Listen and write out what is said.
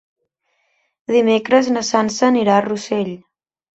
Dimecres na Sança anirà a Rossell.